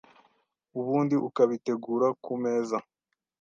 ubundi ukabitegura ku meza